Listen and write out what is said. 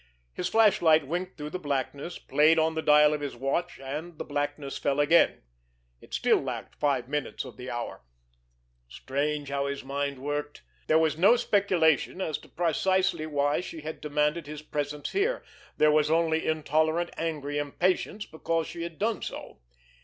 His flashlight winked through the blackness, played on the dial of his watch, and the blackness fell again. It still lacked five minutes of the hour. Strange how his mind worked! There was no speculation as to precisely why she had demanded his presence here, there was only intolerant, angry impatience because she had done so.